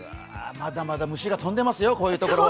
まだまだ虫が飛んでいますよ、こういうところは。